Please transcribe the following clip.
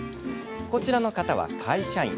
こちらの方は会社員。